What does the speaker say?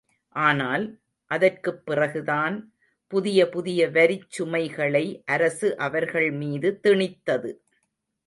ஆனால், அதற்குப்பிறகுதான் புதிய புதிய வரிச் சுமைகளை அரசு அவர்கள் மீது திணித்தது.